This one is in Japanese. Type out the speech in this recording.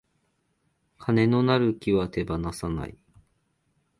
金のなる木は手放さない